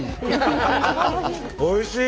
おいしい！